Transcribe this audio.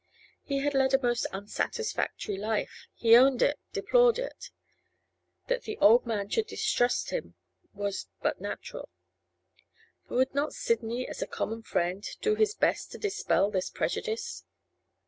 He had led a most unsatisfactory life; he owned it, deplored it. That the old man should distrust him was but natural; but would not Sidney, as a common friend, do his best to dispel this prejudice?